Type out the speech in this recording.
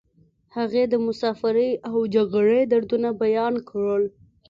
هغې د مسافرۍ او جګړې دردونه بیان کړل